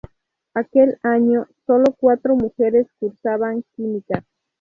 Aquel año, sólo cuatro mujeres cursaban Química.